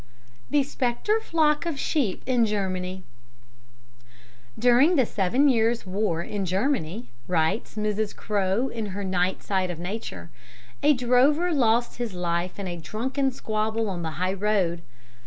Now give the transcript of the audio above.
"The Spectre Flock of Sheep in Germany" "During the seven years' war in Germany," writes Mrs. Crowe, in her Night Side of Nature, "a drover lost his life in a drunken squabble on the high road.